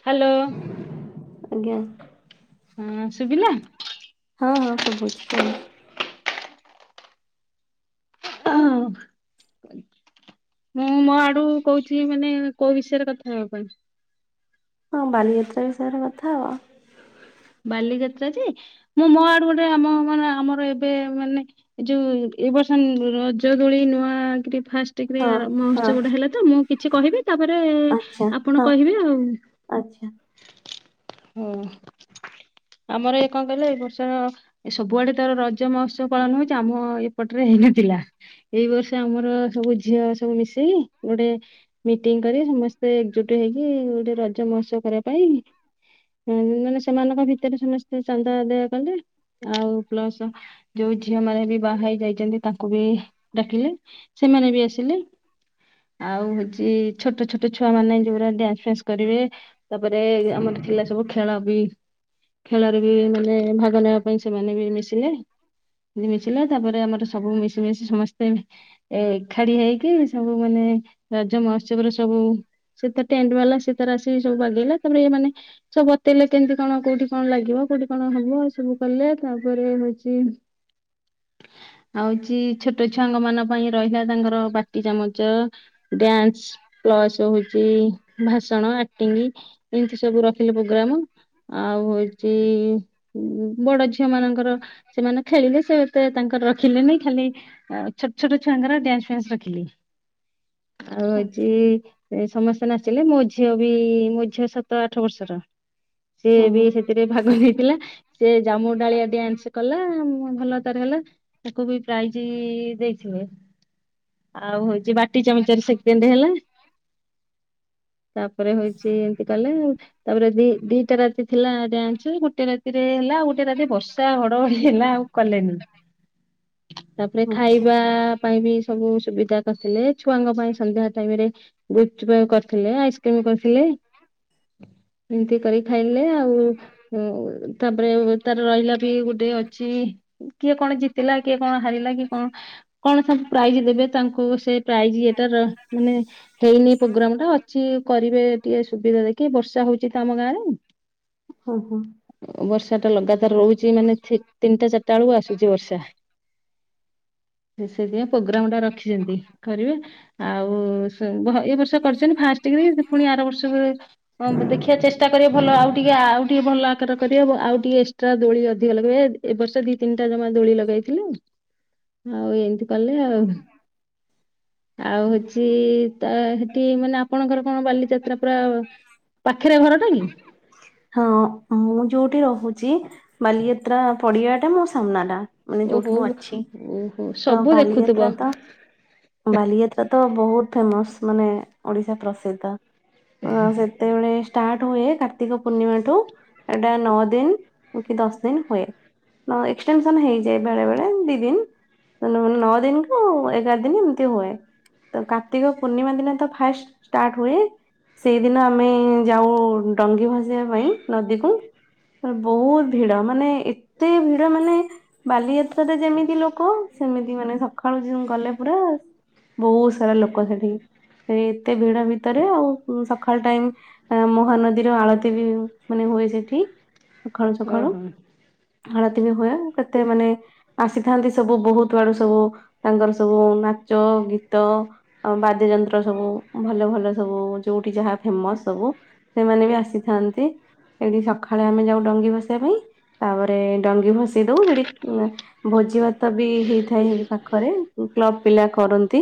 Hello, ଆଜ୍ଞା ହଁ ସୁବିଲା? ହଁ ହଁ ଶୁଭୁଛି କୁହନ୍ତୁ ହଁ, ମୁଁ ମୋ ଆଡୁ, କହୁଚି? ମାନେ କୋଉ ବିଷୟରେ, କଥା ହେବ ପାଇଁ? ହଁ, ବାଲିଯାତ୍ରା ବିଷୟରେ, କଥା ହେବା ୲ ବାଲିଯାତ୍ରା ଯେ, ମୁଁ ମୋ ଆଡୁ, ଗୋଟେ ଆମ ମାନେ, ଆମର ଏବେ ମାନେ, ଯୋଉ ଏ ବର୍ଷ ରଜ ଦୋଳି, ନୂଆ କିରି ଫାଷ୍ଟ କରି, ହଁ ଆରମ୍ଭ ହଁ ମହୋତ୍ସବ ଟା, ହେଲା ତ ୲ ମୁଁ କିଛି କହିବି, ତାପରେ ଆଚ୍ଛା ଆପଣ ହଁ କହିବେ, ଆଉ- ଆଚ୍ଛା ହଁ, ଆମର, ଏ କଣ କହିଲ, ଏ ବର୍ଷ ସବୁଆଡେ ତ ରଜ ମହୋତ୍ସବ, ପାଳନ ହଉଚି। ଆମ ଏ ପଟରେ, ହେଇନଥିଲା ୲ଏଇ ବର୍ଷ, ଆମର ସବୁ ଝିଅ ସବୁ ମିଶେଇ, ଗୋଟେ ମିଟିଂ କରି, ସମସ୍ତେ ଏକଜୁଟ ହେଇକି, ଗୋଟେ ରଜ ମହୋତ୍ସବ, କରିବା ପାଇଁ ଅ, ମାନେ ସେମାନଙ୍କ ଭିତରେ, ସମସ୍ତେ ଚାନ୍ଦା ଆଦୟା, କଲେ ୲ଆଉ ପ୍ଲସ, ଯୋଉ ଝିଅ ମାନେ, ବି ବାହା ହେଇ ଯାଇଚନ୍ତି, ତାଙ୍କୁ ବି ଡାକିଲେ ୲ସେମାନେ ବି ଆସିଲେ, ଆଉ ହଉଚି ଛୋଟ, ଛୋଟ ଛୁଆ ମାନେ, ଯୋଉ ରା ଡ୍ୟାନ୍ସ, ଫାନ୍ସ କରିବେ, ତାପରେ ଆମର ଥିଲା, ସବୁ ଖେଳ ବି ଖେଳରେ ବି, ମାନେ ଭାଗ ନେବା ପାଇଁ, ସେମାନେ ବି ମିଶିଲେ ୲ ଏ ମିଶିଲେ, ତାପରେ ଆମର ସବୁ ମିଶି, ମିଶି ସମସ୍ତେ ଏଖାଡି ହେଇକି, ସବୁ ମାନେ, ରଜ ମହୋତ୍ସବରେ ସବୁ ସେତ ଟେଣ୍ଟ, ବାଲା ସିଏ ତାର ଆସିକି ସବୁ ବାଗେଇଲା ୲ ତାପରେ, ଏମାନେ ସବୁ ବତେଇଲେ ୲କେମିତି କ କଣ, କୋଉଠି କଣ, ଲାଗିବ କୋଉଠି କଣ, ହବ ଏ ସବୁ କଲେ ୲ ତାପରେ, ହଉଚି ହୋଉଚି, ଛୋଟ ଛୁଆଙ୍କ ମାନଙ୍କ ପାଇଁ, ରହିଲା ତାଙ୍କର ଵାଟି ଚାମଚ, ଡ୍ୟାନ୍ସ, ପ୍ଲସ୍ ହଉଚି ଭାଷଣ, ଆକ୍ଟିଙ୍ଗ ଇନ୍ତି ସବୁ ର ଖାଲି ପ୍ରୋଗ୍ରାମ। ଆଉ ହଉଚି ବଡ ଝିଅମାନଙ୍କର ସେମାନେ ଖେଳିଲେ ସେ ସେ ତାଙ୍କର ରଖିଲିନି। ଖାଲି ଛୋଟ ଛୋଟ ଛୁଆଙ୍କର ଡ୍ୟାନ୍ସ ଫ୍ୟାନ୍ସ ରଖିଲି। ଆଉ ହଁ ହଉଚି ସମସ୍ତ ନାଚିଲେ, ମୋ ଝିଅ ବି ମୋ ଝିଅ ସାତ ଆଠ ବର୍ଷର। ସିଏ ହଁ ବି ହଁ, ସେଥିରେ ଭାଗ ନେଇଥିଲା। ସେ ଜାମୁ ଡାଳିଆ ଡ୍ୟାନ୍ସ କଲା ମ୍ -ଭଲ ତାର ହେଲା ତାକୁ ବି ପ୍ରାଇଜି ଦେଇଥିବେ। ଆଉ ହଉଚି ବାଟି ଚମିଚରେ ସେକେଣ୍ଡ ହେଲା ତାପରେ ହଉଚି ଏମିତି କଲେ ଆ ତାପରେ ଦି ଦି [unintelligible] ଥିଲା ଡ୍ୟାସ୍ ଗୋଟେ ରାତିରେ ହେଲା ଆଉ ଗୋଟେ ରାତି ବର୍ଷା ଘଡଘଡି ହେଲା ଆଉ କଲେନି। ତାପରେ ଆଚ୍ଛା ଖାଇବାଆ ପାଇଁ ବି ସବୁ ସ୍ ସୁବିଧା କରିଥିଲେ। ଛୁଆଙ୍କ ପାଇଁ ସନ୍ଧ୍ୟା ଟାଇମ୍ ରେ ଗୁପଚୁପ୍ କରିଥିଲେ, ଆଇସ୍କ୍ରିମ୍ କରିଥିଲେ। ଏମିତି କରି ଖାଇଲେ ଆଉ ଉଁ -ତାପରେ ତାର ରହିଲା ବି ଗୋଟେ ଅଛି କିଏ କଣ ଜିତିଲା କିଏ କଣ ହାରିଲା କିଏ କଣ କଣ ସବୁ ପ୍ରାଇଜ ଦେବେ ତାଙ୍କୁ ଏ-ପ୍ରାଇଜ୍ ଯେ- ଟର-ମାନେ ହେଇନି ପୋଗ୍ରାମ୍ ଟା ଅଛି କରିବେ ଟିକେ ସୁବିଧା ଦେଖି ବର୍ଷା ହଉଚି ତ ତ ଆମ ଗାଁ ରେ। ହୁଁ ହୁଁ। ବର୍ଷା ଟା ଲଗାତାର ରହୁଚି ଥି-ମାନେ ତିନିଟା ଚାରିଟା ବେଳକୁ ଆସୁଚି ବର୍ଷା। ସେଇଥିପାଇଁ ପ୍ରୋଗ୍ରାମ୍ ଟା ରଖିଛନ୍ତି କରିବେ ଆଉ ଏ ବର୍ଷା କରିଚନ୍ତି ଫାଷ୍ଟ କିରି ପୁଣି ଆର ବର୍ଷକୁ କ୍-ଦେଖିବା ଚେଷ୍ଟା କରି ଭଲ ଆଉ ଟିକେ ଆଉ ଟିକେ ଭଲ ଆକାର କରିବେ ଆଉ ଟିକେ ଏକ୍ସଟ୍ରା ଦୋଳି ଅଧିକ ଲଗେଇବେ। ଏ ବର୍ଷ ଦି ତିନିଟା ଜମା ଦୋଳି ଲଗେଇଥିଲୁ। ଆଉ ଏମିତି କଲେ ଆଉ ଆଉ ହଉଚି ତା ହେଠି ମାନେ ଆପଣଙ୍କର କଣ ବାଲିଯାତ୍ରା ପୁରା ପାଖେରେ ଘରଟା କି? ହଁ ମୁଁ ଯୋଉଠି ରହୁଚି ବାଲିଯାତ୍ରା ପଡିଆଟା ମୋ ସାମ୍ନାଟା। ମାନେ ଯୋଉଠି ଓହୋ ମୁଁ ଅଛି ଓହୋ ତ ସବୁ ଦେଖୁଥିବ। ବାଲିଯାତ୍ରା ତ ବାଲିଯାତ୍ରା ତ ବହୁତ ଫେମସ୍ ମାନେ ଓଡିଶା ପ୍ରସିଦ୍ଧ। ଅଁ ସେତେବେଳେ। ଷ୍ଟାର୍ଟ ହୁଏ କାର୍ତ୍ତିକ ପୂର୍ଣ୍ଣିମାଠୁ ଏଟା ନଅ ଦିନ କି ଦଶ ଦିନ ହୁଏ। ଏକ୍ସଟେନସନ ହେଇଯାଏ ବେଳେ ବେଳେ ଦି ଦିନ ନଅ ଦିନକୁ ଏଗାର ଦିନ ଏମତି ହୁଏ ତ କାର୍ତ୍ତିକ ପୂର୍ଣ୍ଣିମା ଦିନ ତ ଫାଷ୍ଟ ଷ୍ଟାର୍ଟ ହୁଏ ସେଇ ଦିନ ଆମେ ଯାଉ ଡଙ୍ଗି ଭ ଯିବା ପାଇଁ ନଦୀକୁ ବହୁତ ଭିଡ ମାନେ ଏତେ ଭିଡ ମାନେ ବାଲିଯାତ୍ରରେ ଯେମିତି ଲୋକ ସେମିତି ମାନେ ସକାଳୁ ଗଲେ ପୁରା ବହୁତ ସାରା ଲୋକ ସେଠି ସେ ଏତେ ଭିଡ ଭିତରେ ଆଉ ସକାଳୁ ଟାଇମ ମହାନଦୀର ଆଳତି ମାନେ ହୁଏ ସେଠି। ସଖାଳୁ ସଖାଳୁ। ଓହୋ। ଆଳତି ବି ହୁଏ। କେତେ ମାନେ ଆସିଥାନ୍ତି ସବୁ ବହୁତ ଆଡୁ ସବୁ ତାଙ୍କର ସବୁ ନାଚ ଗୀତ ବାଦ୍ୟ ଯନ୍ତ୍ର ସବୁ ଭଲ ଭଲ। ସବୁ ଯୋଉଠି ଯାହା ଫେମସ ସବୁ ସେମାନେ ବି ଆସି ଥାନ୍ତି ସେଠି ସକାଳେ ଆମେ ଯାଉ ଡଙ୍ଗି ଭସେଇିବା ପାଇଁ। ତାପରେ ଡଙ୍ଗି ଭସେଇ ଦଉ ସେଠି ଭୋଜିଭାତ ବି ହେଇଥାଏ ସେ ପାଖରେ କ୍ଲବ ପିଲା କରନ୍ତି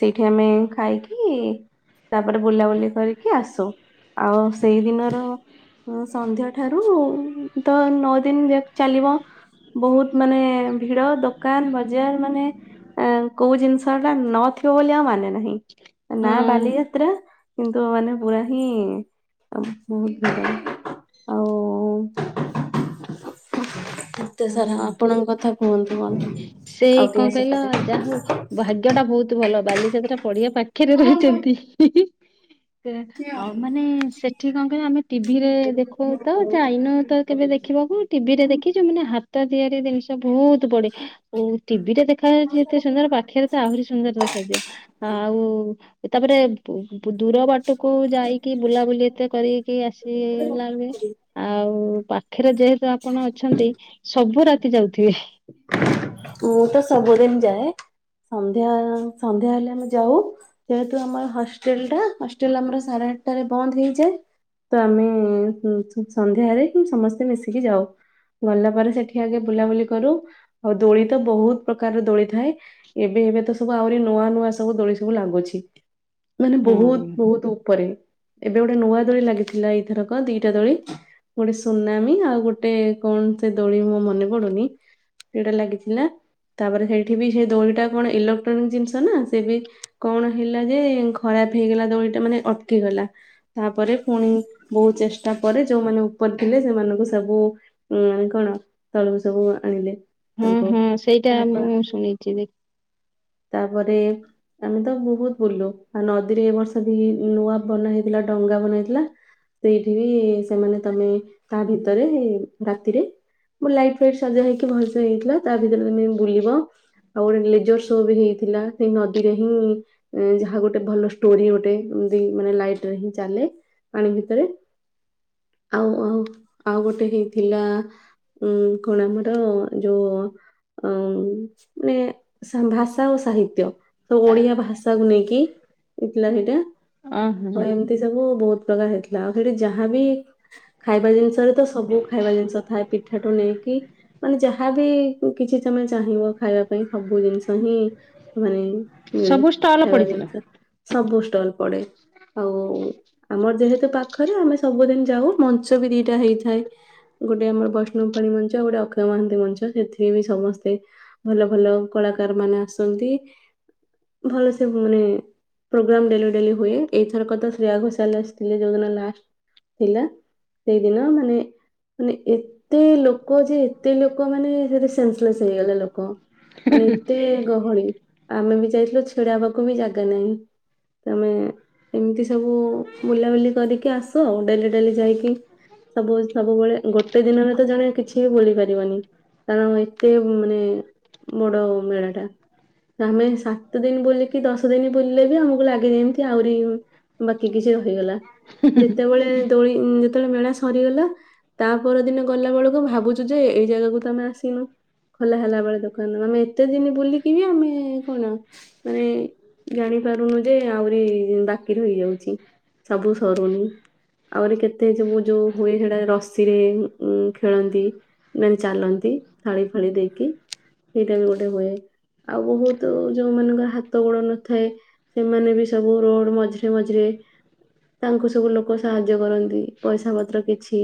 ସେଇଠି ଆମେ ଖାଇକି ତାପରେ ବୁଲାବୁଲି କରିକି ଆସୁ। ଆଉ ସେଇ ଦିନର ସନ୍ଧ୍ୟାଠାରୁ ତ ନଅଦିନ ଯାକ ଚାଲିବ ବହୁତ ମାନେ ଭିଡ ଦୋକାନବଜାର ମାନେ କୋଉ ଜିନିଷଟା ନଥିବ ବୋଲି ଆଉ ମାନେ ନାହିଁ। ତା ନା ହଁ ବାଲିଯାତ୍ରା। କିନ୍ତୁ ମାନେ ପୁରା ହିଁ ଆ ବହୁତ ଭଲ ଆଉ ଏତେ ସାରା ହଁ ଆପଣଙ୍କ କଥା କୁହନ୍ତୁ। କଣ ସେଇ ଆଉ କଁ ଟିକେ କହିଲ ସେପଟେ ଯାହା ହଉ ଭାଗ୍ୟଟା ବହୁତ ଭଲ। ବାଲିଯାତ୍ରା ପଢିବା ପାଖ [inaudible] ରହୁଛନ୍ତି। ଆଉ ମାନେ ସେଠି କଣ କହିବ ଆମେ ଟିଭିରେ ଦେଖୁ ତ ଯାଇନ ତ କେବେ ଦେଖିବାକୁ ଟିଭିରେ ଦେଖି ଯୋଉମାନେ ହାତ ହାତ ତିଆରି ଜିନିଷ ବହୁତ ପଡ଼େ ଓ ଟିଭିରେ ଦେଖ? ଦେଖାଯାଉଛି ଏତେ ସୁନ୍ଦର ପାଖରେ ତ ଆହୁରି ସୁନ୍ଦର ଦେଖାଯିବ ଆଉ ତାପରେ ବୋ ଦୂର ବାଟକୁ ଯାଇକି ବୁଲାବୁଲି ଏତେ କରିକି ଆସିଲାଣି ଆଉ। ପାଖରେ ଯେହେତୁ ଆପଣ ଅଛନ୍ତିୁ ସବୁ ରାତି ଯାଉଥିବେ ମୁଁ ତ ସବୁଦିନ ଯାଏ ସନ୍ଧ୍ୟା ସନ୍ଧ୍ୟା ହେଲେ ଆମେ ଯାଉ ଯେହେତୁ ଆମର ହଷ୍ଟେଲ ଟା ହଷ୍ଟେଲ ଆମର ସାଢେ ଆଠଟାରେ ବନ୍ଦ ହେଇଯାଏ ତ ଆମେ ସନ୍ଧ୍ୟାରେ ସମସ୍ତେ ମିଶିକି ଯାଉ। ଗଲା ପରେ ସେଠି ଦେଖ ଆଗେ ବୁଲାବୁଲି କରୁ ଆଉ ଦୋଳି ତ ବହୁତ ପ୍ରକାରର ଦୋଳି ଥାଏ ଏବେ ଏବେ ତ ସବୁ ଆହୁରି ନୂଆ ନୂଆ ସବୁ ଦୋଳି ସବୁ ଲାଗୁଛି। ମାନେ ହଁ ବହୁତ ବହୁତ ଉପରେ ଏବେ ଗୋଟେ ନୂଆ ଦୋଳି ଲାଗିଥିଲା ଏଇଥରକ ଦିଟା ଦୋଳି ଗୋଟେ ସୁନାମି ଆଉ ଗୋଟେ କଣ ସେ ଦୋଳି ମୋ ମନ ମନେ ପଡୁନି ସେଟା ଲାଗିଥିଲା ତାପରେ ସେଇଠି ବି ସେ ଦୋଳି ଟା କଣ ଇଲେକ୍ଟ୍ରୋନିକ ଜିନିଷ ନା ସେ ବି କଣ ହେଲା ଯେ ଖରାପ ହେଇଗଲା ଦୋଳି ଟା ମାନେ ଅଟକିଗଲା ତାପରେ ପୁଣି ବହୁତ ଚେଷ୍ଟା ପରେ ଯୋଉମାନେ ଉପର ଥିଲେ ସେମାନଙ୍କୁ ସବୁ ଉଁ କଣ? ତଳୁକୁ ସବୁ ଆଣିଲେ। ହୁଁ ତାଙ୍କୁ ହୁଁ ସେଇଟା ତାପ ମୁଁ ଶୁଣିଛି ଦେଖ ତାପରେ ଆମେ ତ ବହୁତ ବୁଲୁ ଆ ନଦୀରେ ଏବ ବର୍ଷ ବି ନୂଆ ବନା ହେଇଥିଲା ଡଙ୍ଗା ବନା ହେଇଥିଲା। ସେଇଠି ବି ସେମାନେ ତମେ ତା ଭିତରେ ରାତିରେ ଲାଇଟ ଫାଇଟ ସଜା ହେଇକି ଭଲସ ହେଇଥିଲା ତା ଭିତରେମେ ବୁଲିବ ଆଉ ଗୋଟେ ଲେଜର ସୋ ବି ହେଇଥିଲା ସେ ନଦୀରେ ହିଁ ଯାହା ଗୋଟେ ଭଲ ଷ୍ଟୋରି ଗୋଟେ ମାନେ ଲାଇଟରେ ହିଁ ଚାଲେ ପାଣି ଭିତରେ ଆଉ ଆ ଆଉ ଗୋଟେ ହେଇଥିଲା। ଉଁ କଣ ଆମର ଯୋଉ ଅ ମାନେ ଭାଷା ଓ ସାହିତ୍ୟ ସବୁ ଓଡିଆ ଭାଷାକୁ ନେଇକି ଏଥିଲା ସେଇଟା ଓହୋ ହଁ ଏମିତି ସବୁ ବହୁତ ପ୍ରକାର ହେଇଥିଲା ଆଉ ସେଠି ଯାହାବି ଖାଇବା ଜିନିଷ ରେ ତ ସବୁ ଖାଇବା ଜିନିଷ ଥାଏ ପିଠା ପିଠୁ ନେଇକି ମାନେ ଯାହାବି କିଛି ତମେ ଚାହିଁବ ଖାଇବା ପାଇଁ ସବୁ ଜିନିଷ ହିଁ ମାନେ ମିଳେ ସବୁ ଷ୍ଟଲ ପଡିଥିଲା ଖାଇଜିନିଷ ସବ ଗୋଷ୍ ଷ୍ଟଲ ପଡେ, ଆଉ ଆମର ଯେହେତୁ, ପାଖରେ ଆମେ ସବୁଦିନ ଯାଉ ମଞ୍ଚ ବି ଦିଟା ହେଇଥାଏ, ଗୋଟେ ଆମର ବ ଣୁଣି ମଞ୍ଚ, ଗୋଟେ ଅକ୍ଷୟ ମହାନ୍ତି ମଞ୍ଚ, ସେଥିରେ ବି ସମସ୍ତେ ଭଲ, ଭଲ କଳାକାର ମାନେ ଆସନ୍ତି, ଭଲ ସେ ମାନେ ପ୍ରୋଗ୍ରାମ ଡେଲି, ଡେଲି ହୁଏ, ଏଇଥର କଥା ଶ୍ରେୟା ଘୋଷାଲ ଆସିଥିଲେ, ଯୋଉଦିନ ଲାଷ୍ଟ ଥିଲା, ସେଇଦିନ ମାନେ, ମାନେ ଏତେ ଲୋକ ଯେ, ଏତେ ଲୋକ ମାନେ ସେ ସେନ୍ସସଲେସ ହେଇଗଲେ, ଲୋକ ମାନେ, ଏତେ ଗହଳି। ଆମେ ବି ଯାଇଥିଲୁ, ଛିଡା ହବାକୁ ବି ଜାଗା ନାହିଁ, ତମେ ଏମିତି ସବୁ ବୁଲା, ବୁଲି କରିକି ଆଶୁ, ଆଉ ଡେଲି, ଡେଲି ଯାଇକି ସବୁ ସବୁବେଳେ ଗୋଟେ ଦିନରେ ତେ ଜଣେ କିଛି ବି ବୁଲି ପାରିବନି, କାରଣ ଏତେ ମାନେ ବଡ ମେଳା ଟା ଆମେ ସାତ ଦିନ ବୁଲିକି, ଦଶ ଦିନ ବୁଲିଲେ ବି ଆମକୁ ଲାଗେ ଜେମତି, ଏମିତି ଆହୁରି ବାକି କିଛି ରହିଗଲା। ଯେତେବେଳେ ଦୋଳି ଯେତେବେଳେ ମେଳା ସରିଗଲା, ତା ପର ଦିନ ଗଲା ବେଳକୁ ଭାବୁଛୁ, ଯେ ଏଇ ଜାଗାକୁ ତ ଆମେ ଆସିନୁ, ଖୋଲା ହେଲା ବେଳେ ଦୋକାନ ଆମେ ଏତେ ଦିନ ବୁଲିକ ବି ଆମେ କଣ ମାନେ ଜାଣି ପାରୁନୁ, ଯେ ଆହୁରି ବାକି ରହିଯାଉଛି, ସବୁ ସରୁନି ଆହୁରି କେତେ ସବୁ ଯୋଉ ହୁଏ, ସେଟା ରସିରେ ଉ ଖେଳନ୍ତି, ମାନେ ଚାଲନ୍ତି, ଥାଳି ଫାଳି ଦେଇକି ସେଇଟା ବି ଗୋଟେ ହୁଏ, ଆଉ ବହୁତ ଯୋଉମାନଙ୍କର ହାତ ଗୋଡ ନଥାଏ, ସେମାନେ ବି ସବୁ ରୋଡ ମଝିରେ, ମଝିରେ ତାଙ୍କୁ ସବୁ ଲୋକ ସାହାଯ୍ୟ କରନ୍ତି, ପଇସା ପତ୍ର କିଛି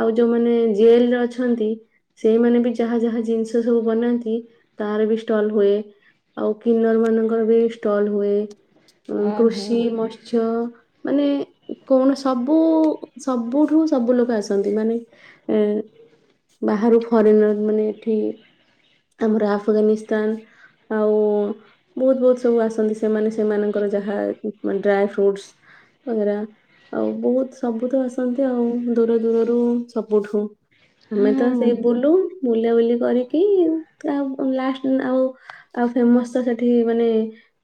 ଆଉ ଯୋଉମାନେ ଜେଲରେ ଅଛନ୍ତି, ସେଇମାନେ ବି ଯାହା ଯାହା ଜିନିଷ ସବୁ ବନାନ୍ତି, ତାର ବି ଷ୍ଟଲ ହୁଏ, ଆଉ କିନର ମାନଙ୍କର ବି ଷ୍ଟଲ ହୁଏ। ଉ ଓହୋ କୃଷି, ମତ୍ସ୍ୟ ମାନେ କଣ, ସବୁ ସବୁଠୁ, ସବୁ ଲୋକ ଆସନ୍ତି, ମାନେ ଏ ବାହାରୁ ଫରେନର ମାନେ, ଏଠି ଆମର ଆଫଗାନିସ୍ତାନ ଆଉ ବହୁତ ବହୁତ ସବୁ ଆସନ୍ତି ସେମାନେ ସେମାନଙ୍କର ଯାହା ଡ୍ରାଏ ଫ୍ରୁଟ ବଗେରା ଆଉ ବହୁତ ସବୁ ତ ଆସନ୍ତି। ଆଉ ଦୂର ଦୂରରୁ ସବୁଠୁ ଆମେ ତ ସେଇ ହଁ ବୁଲୁ ବୁଲାବୁଲି କରିକି, ଆଉ ଲାଷ୍ଟ ଆଉ ଆଉ ଫେମସ୍ ତ ସେଠି ମାନେ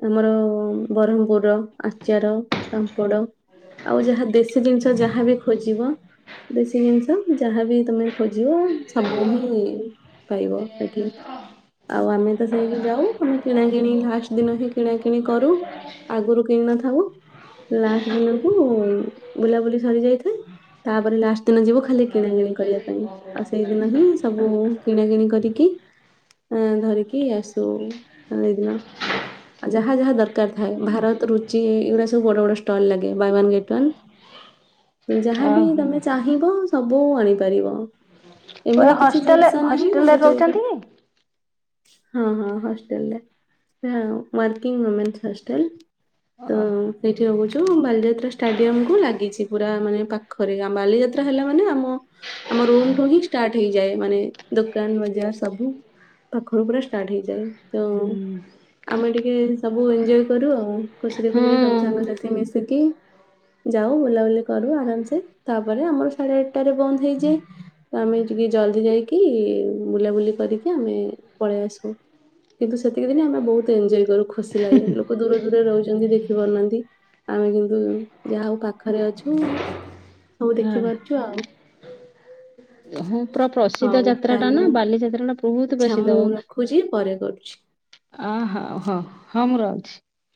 ଆମର ବରହମପୁର ଆଚାର, ପାମ୍ପଡ଼ ଆଉ ଯାହା ଦେଶୀ ଜିନିଷ, ଯାହାବି ଖୋଜିବ, ଦେଶୀ ଜିନିଷ ଯାହାବି ତମେ ଖୋଜିବ, ସବୁ ହିଁ ପାଇବ ସେଠି। ଆଉ ଆମେ ସେଠେଇକି ଯାଉ, ଆମେ କିଣା କିଣି ଲାଷ୍ଟ ଦିନ ହିଁ କିଣା କିିଣି କରୁ ଆଗରୁ କିଣ ନ ଥାଉ ଲାଷ୍ଟ ଦିନକୁ ବୁଲାବୁଲି ସରି ଯାଇଥାଏ ତାପରେ ଲାଷ୍ଟ ଦିନ ଯିବ ଖାଲି କିଣା କିିଣି କରିବା ପାଇଁ ଆଉ ସେଇଦିନ ହିଁ ସବୁ କିଣା କିିଣି କରିକି ଅଁ ଧରିକି ଆସୁ ସେଇ ଦିନ ଯାହା ଯାହା ଦରକାର ଥାଏ ଭାରତ ରୁଚି ଏଇଗୁଡା ସବୁ ବଡ ବଡ ଷ୍ଟଲ୍ ଲାଗେ ବାଏ ୱାନ ଗେଟ୍ ୱାନ୍। ତ ଯାହାବି ଓହୋ। ତମେ ଚାହିଁବ ସବୁ ଆଣିପାରିବ। ଏମିତି ଏ କିଛି ହଷ୍ଟେଲ ଜିନିଷ ନାହିଁ ହଷ୍ଟେଲରେ ଆଉ ଯୋଉଟା ରହୁଚନ୍ତି କି? ହଁ ହଁ ହଷ୍ଟେଲରେ ସେଇଆ ଆଉ ୱାର୍କିଁ ଓମେନସ ହଷ୍ଟେଲ ଅ ତ ସେଇଠି ରହୁଚୁ ବାଲିଯାତ୍ରା ଷ୍ଟାଡିୟମ କୁ ଲାଗିଚି ପୁରା ମାନେ ପାଖରେ ବାଲିଯାତ୍ରା ହେଲା ମାନେ ଆମ ଆମ ରୁମୁ ହିଁ ଷ୍ଟାର୍ଟ ହେଇଯାଏ ମାନେ ଦୋକାନ ବଜାର ସବୁ ପାଖରୁ ପୁରା ଷ୍ଟାର୍ଟ ହେଇଯାଏ ତ ହୁଁ ଆମେ ଟିକେ ସବୁ ଏଞ୍ଜୟ କରୁ ଆଉ ଖୁସିରେ ହଁ ଖୁସିରେ ସବୁ ସାଙ୍ଗସାଥି ମିଶିକି ଯାଉ ବୁଲାବୁଲି କରୁ ଆରାମସେ ତାପରେ ଆମର ସାଢେ ଆଠଟାରେ ବନ୍ଦ ହେଇଯାଏ ଆମେ ଟିକେ ଜଲଦି ଯାଇକି ବୁଲାବୁଲି କରିକି ଆମେ ପଳେଇ ଆସ କିନ୍ତୁ ସେତିକି ଦିନେ ଆମେ ବହୁତ ଏଞ୍ଜୟ କରୁ। ଖୁସି ଲାଗେ ଲୋକ ଦୂର ଦୂରେ ରହୁ ଯେନ୍ତି ଦେଖି ପାରୁନାହାନ୍ତି ଆମେ କିନ୍ତୁ ଯାହା ହଉ ପାଖରେ ଅଛୁ। ହଉ ହଁ। ଦେଖିବା ଆଉ ହଁ ପୁରା ପ୍ରସିଦ୍ଧ ହଉ ଯାତ୍ରା ଟା ତାହେଲେ ନା ମୁଁ ବାଲିଯାତ୍ରା ଟା ବହୁତ ଆଚ୍ଛା ପ୍ରସିଦ୍ଧ ମୁଁ ରଖୁଛି ପରେ କରୁଛି। ଆ ହଉ ହୋଉ ହଁ ମୁଁ ରହୁ